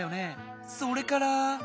それから。